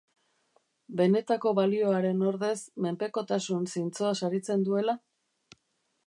Benetako balioaren ordez menpekotasun zintzoa saritzen duela?